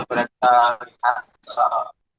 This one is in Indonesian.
benar bapakow masih tulis nama bebas